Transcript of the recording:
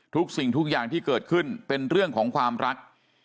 สิ่งทุกอย่างที่เกิดขึ้นเป็นเรื่องของความรัก